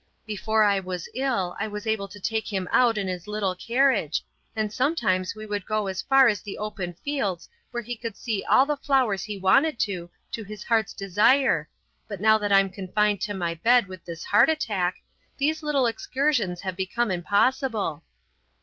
Before I was ill, I was able to take him out in his little carriage, and sometimes we would go as far as the open fields where he could see all the flowers he wanted to, to his heart's desire, but now that I'm confined to my bed with this heart attack, those little excursions have become impossible."